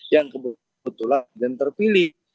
yang kebetulan dan terpilih